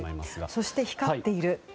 そして、光っている。